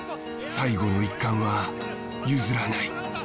最後の一冠は譲らない。